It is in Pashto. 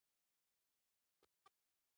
تنور د کلیوالو بوی لري